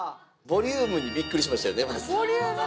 ボリュームびっくりしました。